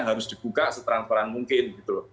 harus dibuka seteran teran mungkin